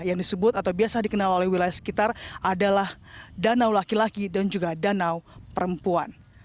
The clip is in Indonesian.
yang disebut atau biasa dikenal oleh wilayah sekitar adalah danau laki laki dan juga danau perempuan